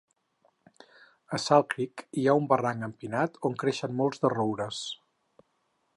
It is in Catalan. A Salt Creek hi ha un barranc empinat on creixen molts de roures.